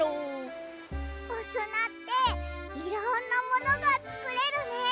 おすなっていろんなものがつくれるね！